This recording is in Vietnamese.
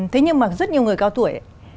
thế nhưng mà rất nhiều người cao tuổi